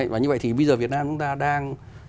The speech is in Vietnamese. và như vậy thì bây giờ việt nam chúng ta đang